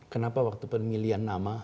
kenapa waktu pemilihan nama